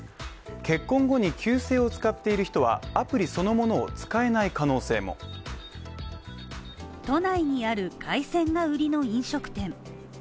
結婚後に旧姓を使っている人は、アプリそのものを使えない可能性も都内にある海鮮が売りの飲食店